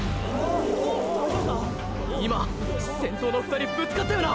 今先頭の２人ぶつかったよな